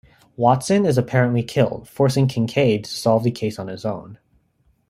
Watson is apparently killed, forcing Kincaid to solve the case on his own.